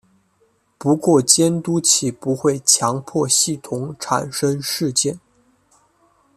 不过监督器不会强迫系统产生事件。